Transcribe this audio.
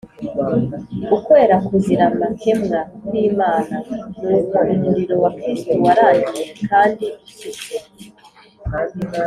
ukwera kuzira amakemwa kw'Imana, n'uko umurimo wa Kristo warangiye kandi ushyitse.